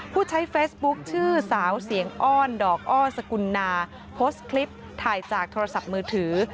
ผู้ใช้เฟซบุ๊คชื่อสาวเสียงอ้อนดอกอ้อสกุลนาโพสต์คลิปถ่ายจากโทรศัพท์มือถือ